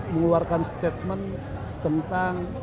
mengeluarkan statement tentang